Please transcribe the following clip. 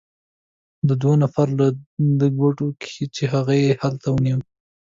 دوو نفر له ده کوټ وکیښ، چې هغه يې هلته ونیو.